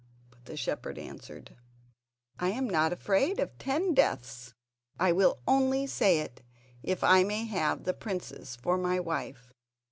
But the shepherd answered: "I am not afraid of ten deaths! I will only say it if I may have the princess for my wife."